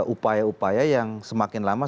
upaya upaya yang semakin lama